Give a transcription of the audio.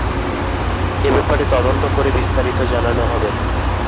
এ ব্যাপারে তদন্ত করে বিস্তারিত জানানো হবে।